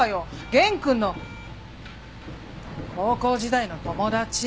源くんの高校時代の友達。